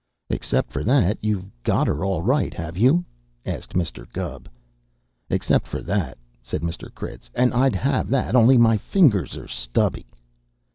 "Except for that, you've got her all right, have you?" asked Mr. Gubb. "Except for that," said Mr. Critz; "and I'd have that, only my fingers are stubby."